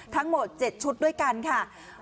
ทั้งหมด๗ชุดด้วยกันค่ะ